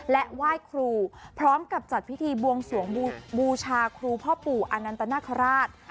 และไหว้ครูพร้อมกับจัดพิธีบวงสวงบูชาครูพ่อปู่อนันตนาคาราช